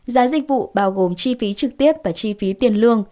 giá dịch vụ bao gồm chi phí trực tiếp và chi phí tiền lương